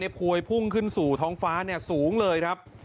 เดี๋ยวดูควันเน็บควยพุ่งขึ้นสู่ท้องฟ้าสูงเลยครับ